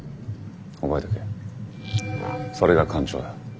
覚えとけそれが艦長だ。